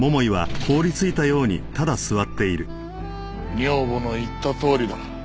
女房の言ったとおりだ。